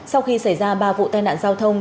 sau khi xảy ra ba vụ tai nạn giao thông